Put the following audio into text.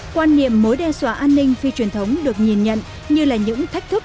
quan niệm mối đe dọa an ninh phi truyền thống được nhìn nhận như là những thách thức